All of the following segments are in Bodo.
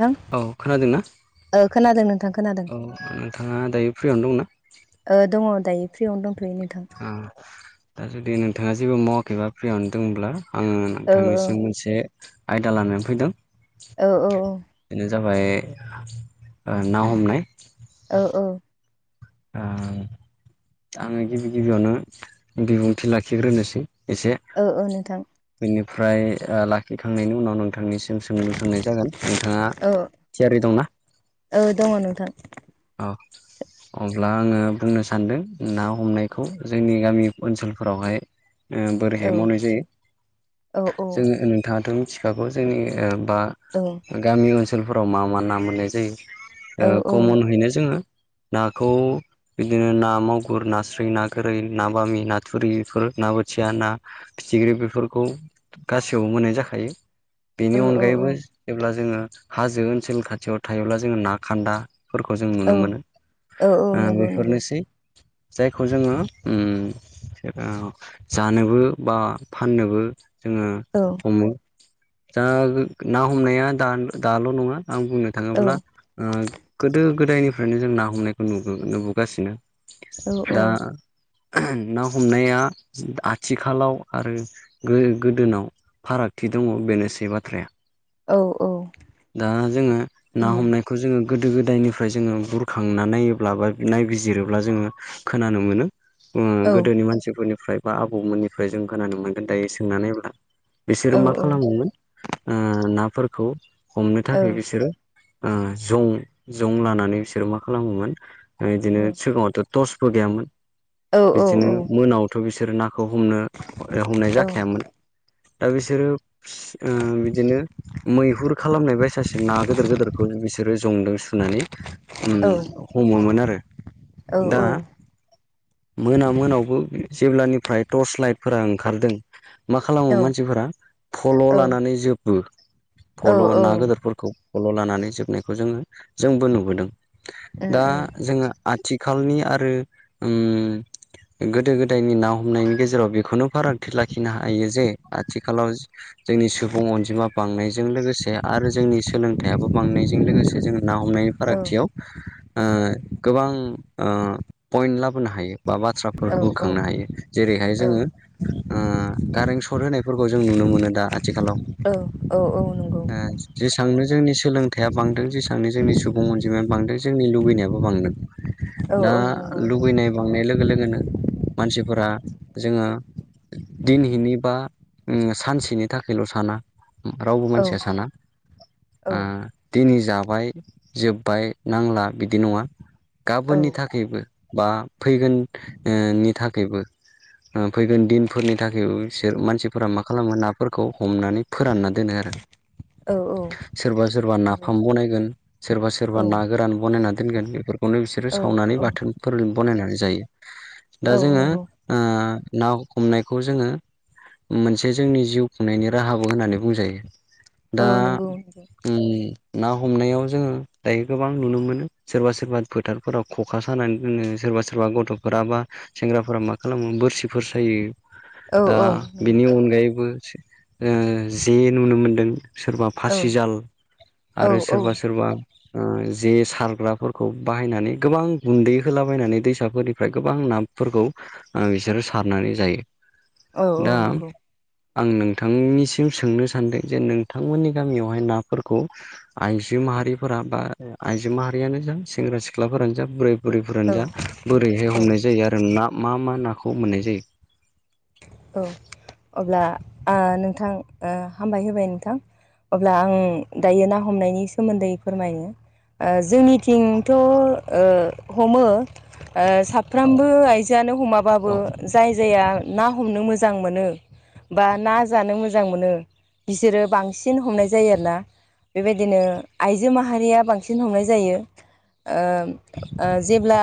नोंथां औ खोनादों ना ओ खोनादों नोंथां खोनादों औ नोंथाङा दायो फ्रियावनो दंना? ओ दङ दायो फ्रियावनो दंथ'यो नोंथां। ओ दा जुदि नोंथाङा जेबो मावाखैबा फ्रियावनो दोंब्ला आङो औ नोंथांनिसिम मोनसे आयदा लानानै फैदों। औ बेनो जाबाय ओ ना हमनाय। ओ ओ ओ ओ आङो गिबि गिबियावनो बिबुंथि लाखिग्रोनोसै एसे। ओ ओ नोंथां। बेनिफ्राय ओ लाखिखांनायनि उनाव नोंथांनिसि मोनसे सोंलु सोंनाय जागोन नोंथाङा थियारि दंना? ओ दङ नोंथां अ अब्ला आङो बुंनो सानदों ना हमनायखौ जोंनि गामि ओनसोलफोरावहाय ओ बोरैहाय औ मावनाय औ जायो औ जोङो नोंथाङाथ' मिथिखागौ जोंनि ओ‌ बा औ गामि ओनसोलफोराव मा मा ना मोननाय जायो औ ओ कमनैनो जोङो नाखौ बिदिनो ना मागुर नास्राय ना गोरै ना बामि ना थुरि बेफोर ना बोथिया ना फिथिख्रि बेफोरखौ गासैयावबो मोननाय जाखायो। बेनि औ अनगायैबो जेब्ला जोङो हाजो ओनसोल खाथियाव थायोब्ला जोङो ना खान्दा फोरखौ जों नुनो औ मोनो औ नंगौ नंगौ बेफोरनोसै जायखौ जोङो उम एबा जानोबो बा फाननोबो जोङो औ हमो दा ना हमनाया दा दाल' नङा आं बुंनो औ थाङोब्ला ओ गोदो गोदायनिफ्रायनो जों ना हमनायखौ नुबो नुबोगासिनो औ दा ना हमनाया आथिखालाव आरो गो गोदोनाव फारागथि दङ बेनोसै बाथ्राया औ औ दा जोङो ना उम हमनायखौ जोङो गोदो गोदायनिफ्राय जोङो बुरखांना नायोब्ला बा नायबिजिरोब्ला जोङो खोनानो मोनो ओ औ गोदोनि मानसिफोरनिफ्राय बा आबौमोननिफ्राय जों खोनानो मोनगोन दायो सोंना नायब्ला बिसोरो औ मा खालामोमोन ओ नाफोरखौ हमनो औ थाखाय बिसोरो ओ जं जं लानानै बिसोरो मा खालामोमोन औ बिदिनो सिगाङावथ' टर्सबो गैयामोन औ औ बिदिनो मोनायावथ' बिसोरो ना खौ हमनो हमनाय औ उम औ जाखायामोन‌। दा बिसोरो ओ बिदिनो मैहुर खालामनायबायसासो ना गोदोर गोदोरखौ बिसोरो जंदों सुनानै ओ हमोमोन आरो औ दा औ मोना मोनायावबो जेब्लानिफ्राय टर्स लाइटफोरा ओंखारदों मा खालामो मानसिफोरा फल' लानानै जोबो औ फल' ना गोदोरफोरखौ फल' लानानै जोबनायखौ जोङो जोंबो नुबोदों दा जोङो आथिखालनि आरो ओम गोदो गोदायनि ना हमनायनि गेजेराव बे खुनु फारागथि लाखिनो हायो जे आथिखालाव जोंनि सुबुं अनजिमा बां जों लोगोसे आरो जोंनि सोलोंथायाबो बांनायजों लोगोसे जोङो ना हमनायनि फारागथियाव ओ गोबां पइन्ट लाबोनो हायो बा बाथ्रा फोर बोखांनो हायो जेरैहाय जोङो ओ कारेन्ट सर्ट होनायफोरखौ जों नुनो मोनो दा आथिखालाव औ औ औ नंगौ जेसांनो जोंनि सोलोंथाइया बांदों जेसांनो जोंनि सुबुं अनजिमाया बांदों जोंनि लुुबैनायाबो बांदों औ दा नंगौ नंगौ लुगैनाय लांनाय लोगो लोगोनो मानसिफोरा जोङो दिनहिनि बा सानसेनि थाखायल' साना रावबो औ मानसिया साना औ ओ दिनै जाबाय जोब्बाय नांला बिदि नङा औ गाबोननि थाखायबो बा फैगोननि थाखायबो फैगोन दिनफोरनि थाखायबो बिसोर मानसिफोरा मा खालामो नाफोरखौ हमनानै फोरानना दोनो आरो। औ औ सोरबा सोरबा नंगौ नाफाम बनायगोन। सोरबा सोरबा औ ना गोरान बनायना दोनगोन बेफोरखौनो बिसोरो औ सावनानै औ बाथोनफोर बानायनानै जायो। दा औ जोङो नंगौ ना हमनायखौ जोङो मोनसे जोंनि जिउ खुंनायनि राहाबो होननानै बुंजायो दा औ नंगौ नंगौ ना हमनायाव जोङो दायो गोबां नुनो मोनो सोरबा सोरबा फोथारफोराव खखा सानानै दोनो सोरबा सोरबा गथ'फोराबा सेंग्राफोरा मा खालामोमोन बोरसिफोर सायो। औ दा औ नंगौ बिनि अनगायैबो जे नुनो मोनदों। सोरबा औ फासिजाल आरो औ सोरबा सोरबा जे सारग्राफोरखौ बाहायनानै गोबां गुन्दै होलाबायनानै दैसाफोरनिफ्राय गोबां ना फोरखौ बिसोरो सारनानै जायो। औ औ दा नंगौ आं नोंथांनिसिम सोंनो सान सानदों जे नोंथांमोननि गामियावहाय नाफोरखौ आइजो माहारिफोरा बा आइजो माहारियानो जा सेंग्रा सिख्लाफोरानो जा बोराय बुरैफोरानो जा औ बोरैहाय औ हमनाय जायो आरो ना मा मा नाखौ मोननाय जायो? औ अब्ला नोंथां हामबाय होबाय नोंथां। अब्ला आं दायो ना हमनायनि सोमोन्दै फोरमायनो। ओ जोंनिथिंथ' ओ हमो सा साफ्रोमबो आइजोआनो हमाब्लाबो जाय जाया ना हमनो मोजां मोनो। बा ना जानो मोजां मोनो बिसोरो बांसिन हमनाय जायो आरो ना। बेबायदिनो आइजो माहारिया बांसिन हमनाय जायो। ओ ओ जेब्ला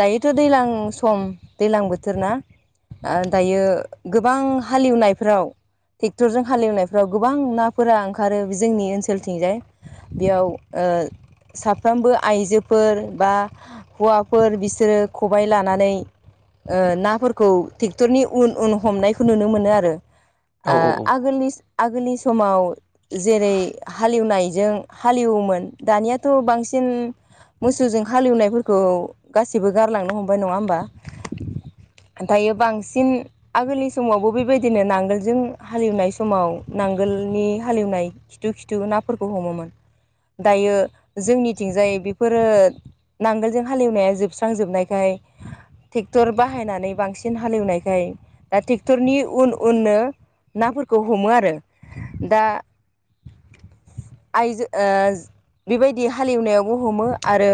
दायोथ' दैज्लां सम दैलां बोथोर ना ओ दायो गोबां हालेवनायफोराव ट्रेक्टरजों हालेवनायफ्राव गोबां नाफोरा ओंखारो जोंनि ओनसोलथिंजाय। बेयाव ओ साफ्रोमबो आइजोफोर बा हौवाफोर बिसोरो खबाय लानानै ओ नाफोरखौ थिग ड्रेक्टरनि उन उन हमनायखौ नुनो मोनो आरो औ आगोलनि ओ आगोलनि समाव जेरै हालेवनायजों हालेवोमोन दानियाथ' बांसिन मोसौजों हालेवनायफोरखौ गासिबो गारलांनो हमबाय नङा होमबा। दायो बांसिन आगोलनि समावबो बेबायदिनो नांगोलजों हालेवनाय समाव नांगोलनि हालेवनाय खिथु खिथु नाफोरखौ हमोमोन दायो जोंनिथिंजाय बेफोरो नांगोलजों हालेवनाया जोबस्रांजोबनायखाय ट्रेक्टर बाहायनानै बांसिन हालेवनाय दा ट्रेक्टरनि उन उननो नाफोरखौ हमो आरो दा आयजो बेबायदि हालेवनायावबो हमो आरो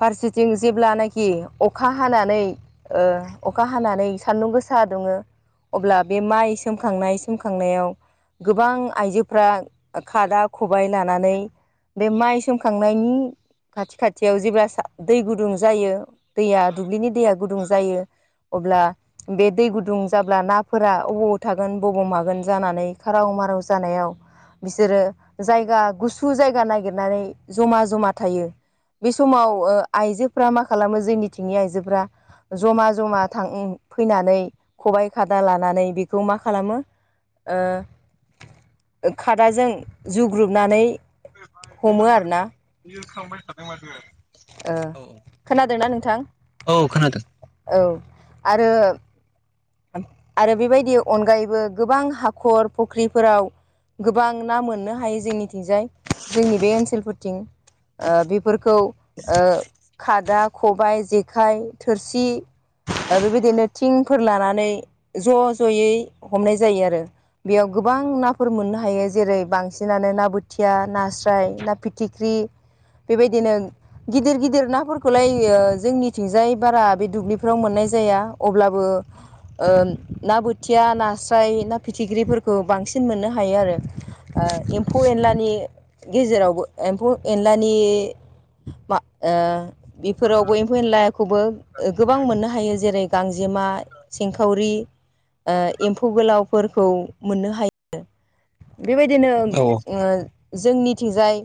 फारसेथिं जेब्लानाखि अखा हानानै ओ अखा हानानै सान्दुं गोसा सा दुङो अब्ला बे माइ सोमखांनाय सोमखांनायाव गोबां आइजोफ्रा खादा खबाय लानानै बे माइ सोमखांनायनि खाथि खाथियाव जेब्ला दै गुदुं जायो दैया दुब्लिनि दैया गुदुं जायो अब्ला बे दै गुदुं जाब्ला नाफोरा बबाव थागोन बबाव मागोन जानानै खाराव माराव जानायाव बिसोरो जायगा गुसु जायगा नागिरनानै जमा जमा थायो। बे समाव ओ आइजोफ्रा मा खालामो जोंनिथिंनि आइजोफ्रा जमा जमा थां फैनानै खबाइ खादा लानानै बेखौ मा खालामो खादाजों जुग्रुबनानै बे हमो आरोना नाम्बारखौ इउस खालामबाय थादों माथो ओ खोनादोंना नोंथां औ आरो आरो बेबायदि अनगायैबो गोबां हाखर फुख्रिफोराव गोबां ना मोननो हायो जोंनिथिंजाय जोंनि बे ओनसोलफोरथिं बेफोरखौ ओ खादा खबाय जेखाइ थोरसि बेबायदिनो थिंफोर लानानै नै ज' ज'यै हमनाय जायो आरो बेयाव गोबां नाफोर मोननो हायो जेरै बांसिनानो ना बोथिया नास्राय ना फि फिथिख्रि बेबायदिनो गिदिर गिदिर नाफोरखौलाय जोंनिथिंजाय बारा बे दुब्लिफ्राव मोननाय जाया अब्लाबो ना बोथिया नास्राय ना फिथिख्रिफोरखौ बांसिन मोननो हायो आरो एम्फौ एनलानि गेजेरावबो एम्फौ एनलानि मा ओ बेफोरावबो एम्फौ एनलाइखौबो गोबां मोननो हायो जेरै गांजेमा सिंखावरि एम्फौ गोलावफोरखौ मोननो हायो बेबायदिनो औ जोंनिथिंजाय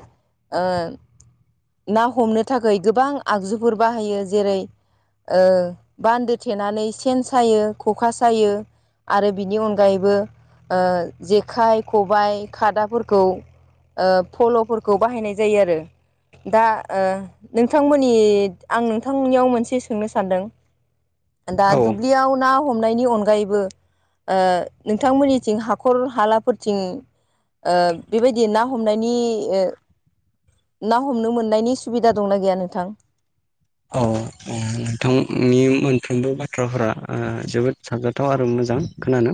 ना हमनो थाखाय गोबां आगजुफोर बाहायो जेरै बान्दो थेनानै सेन सायो ख'खा सायो। आरो बिनि अनगायैबो जेखाइ खबाइ खादाफोरखौ फल'फोरखौ बाहायनाय जायो आरो दा नोंथांमोननि आं नोंथांनियाव मोनसे सोंनो सानदों [inaudible] दा दुब्लियाव ना हमनायनि अनगायैबो नोंथांमोननिथिं हाखर हालाफोरथिं बेबायदि ना हमनायनि ना हमनो मोननायनि सुबिदा दंना गैया नोंथां औ नोंथांनि मोनफ्रोमबो बाथ्राफोरा जोबोद साजाथाव आरो मोजां खोनानो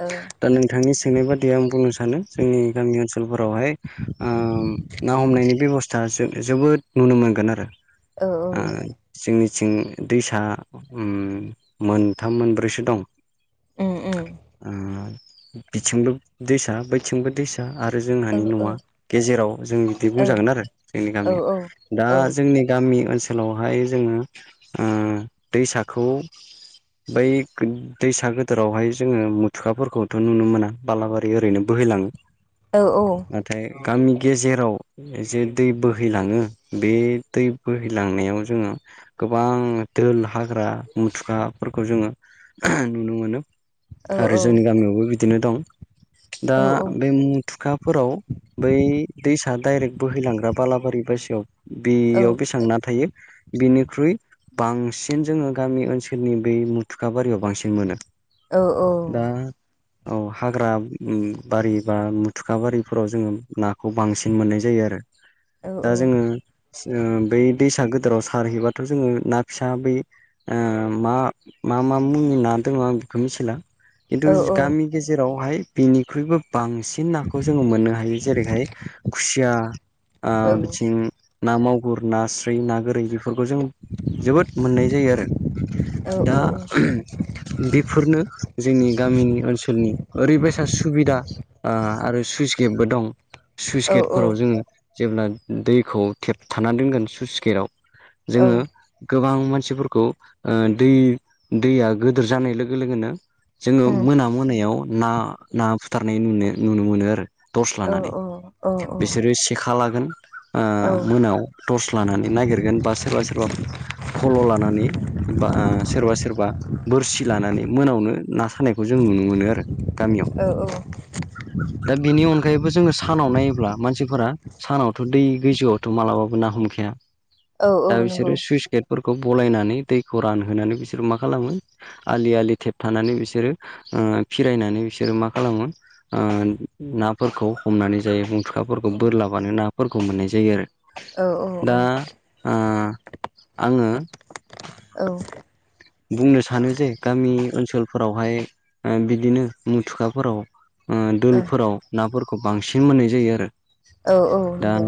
ओ औ दा नोंथांनि सोंनाय बादिया आं बुंनो सानो जोंनि गामि ओनसोलफोरावहाय ना हमनायनि बेब'स्था जोबोद नुनो मोनगोन आरो औ जोंनिथिं दैसा मोनथाम मोनब्रैसो दं उम उम बिथिंबो' दैसा थिंबो दैसा आरो औ जोंहानि न'आ गेजेराव जों बिदि बुंजागोन आरो जोंनि औ गामिया दा औ जोंनि गामि ओनसोलाव ओनसोलावहाय जोंङो दैसाखौ बै दैसा गोदोरावहाय जोङो मेथेखाफोरखौथ' नुनो मोना बालाबारि ओरैनो बोहैलांङो [inaudible] औ औ नाथाय गामि गेजेराव जे दै बोहैलांङो बे दै बोहै लांनायाव जोंङो गोबां दोल हाग्रा मेथेखाफोरखौ जोंङो नुनो मोनो आरो जोंनि गामियावबो बिदिनो दं दा बे मेथेखाफोराव बै दैसा डाइरेक्ट बोहैलांग्रा बालाबारि बासियाव बेयाव बेसेबां ना थायो बिनिख्रुइ बांसिन जोंङो गामि ओनसोलनि बै मेथेखा बारियाव बांसिन मोनो औ औ दा औ हाग्रा बारि बा मेथेखा बारिफोराव जोंङो नाखौ बांसिन मोननाय जायो आरो दा जोङो बै दैसा गोदोराव सारहैबाथ' जोङो ना फिसा बै मा मा मा मुंनि ना दङ आं बेखौ मिथिला खिन्थु गामि गेजेरावहाय बेनिख्रुइबो बांसिन नाखौ जोङो मोननो हायो जेरैहाय खुसिया बिथिं ना मावगुर नास्राय ना गोरै बेफोरखौ जों जोबोद मोननाय जायो आरो दा बेफोरनो जोंनि गामिनि ओनसोलनि ओरैबायदि सुबिदा आरो सुइस गेटबो दं सुइस गेटफोराव जोङो जेब्ला दैखौ थेबथानानै दोनगोन स्सुइस गेटाव जोङो गोबां मानसिफोरखौ दै दैया गोदोर जानाय लोगो लोगोनो जोङो मोना मोनायाव ना ना बुथारनाय नुनो नुनो मोनो आरो टर्स लानानै औ औ बिसोरो सेखा लागोन औ मोनायाव टर्स लानानै नागिरगोन बा सोरबा सोरबा फल' लानानै बा सोरबा सोरबा बोरसि लानानै मोनावनो ना सानायखौ बेखौ जों नुनो मोनो आरो गामियाव औ दा बेनि अनगायैबो जोंङो सानाव नायोब्ला मानसिफोरा सानावथ' दै गोजौआवथ' मालाबाबो ना हमखाया औ औ दा नंगौ बिसोरो सुइस गेटफोरखौ बलायनानै दैखौ रानहोनानै बिसोरो मा खालामो आलि आलि थेबथानानै बिसोरो फिरायनानै बिसोरो मा खालामो ओ नाफोरखौ हमनानै जायो बुं औ फोरखौ बोरलाबानो नाफोरखौ मोननाय जायो आरो औ-औ-औ आ-आ आंङो औ बुंनो सानो जे गामि ओनसोलफोरावहाय बिदिनो मुथुखाफोराव दुबुलि फोराव नाफोरखौ बांसिन मोननाय जायो आरो औ दा नंगौ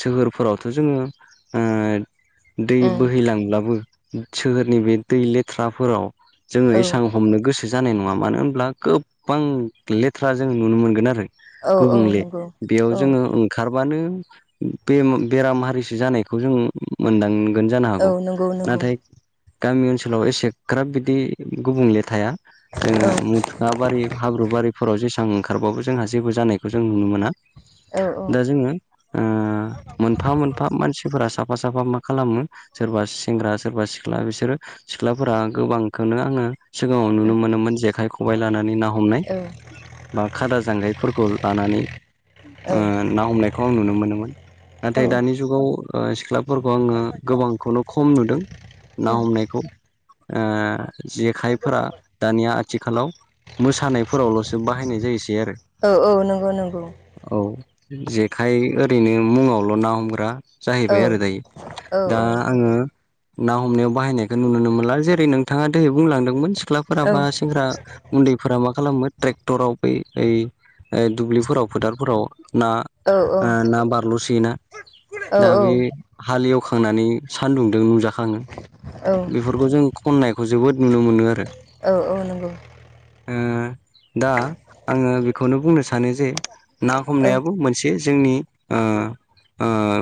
सोहोरफोरावथ' जोङो दै औ बोहैलांब्लाबो सोहोरनि बे दै लेथ्राफोराव जोङो औ एसां हमनो गोसो जानाय नंङा मानो होनब्ला गोबां लेथ्रा जों नुनो मोनगोन आरो औ गुबुंले नंगौ औ बेयाव जोंङो ओंखारबानो बे बेराम हारिसो जानायखौ जों मोनदां जानो औ हागौ नंगौ नंगौ नाथाय गामि ओनसोलाव एसेग्राब बिदि गुबुंले थाया औ जोंङो मथ गाबारि हाब्रु बारिफोराव जेसां ओंखारबाबो जोंहा जेबो जानायखौ जों नुनो मोना औ दा जोंङो ओ मोनफा मोनफा मानसिफोरा साफा साफा मा खालामो सोरबा सेंग्रा सोरबा सि सिख्ला बिसोरो सिख्लाफोरा गोबांखौनो आंङो सिगांङाव औ नुनो मोनोमोन जेखाइ खबाइ लानानै ना हमनाय बा खादा जांगायफोरखौ लानानै ना हमनायखौ आं नुनो मोनोमोन औ नाथाय दानि जुगाव सिख्लाफोरखौ आंङो गोबांखौनो खम नुदों ना हमनायखौ जेखाइफोरा दानिया आथिखालाव मोसानायफोरावल'सो बाहायनाय जायोसै आरो औ औ नंगौ नंगौ औ जेखाइ ओरैनो मुंङावल' ना हमग्रा औ जाहैबाय आरो दायो दा औ नंगौ औ आंङो ना हमनायाव बाहायनायखौ नुुनो मोनला जेरै नोंथांङा दिहै बुंलांदोंमोन सिख्लाफोरा बा औ सेंग्रा उन्दैफोरा मा खालामो ट्रेक्टराव बै ओइ दुब्लिफोराव फोथारफोराव ना औ ना बारल'सियोना दा बे हाले एवखांनानै सान्दुंदों नुंजा खांङो औ बेफोरखौ जों खननायखौ जोबोद नुनो मोनो आरो। औ नंगौ ओ दा आंङो बेखौनो बुंनो सानो जे। ना औ हमनायाबो मोनसे जोंनि ओ ओ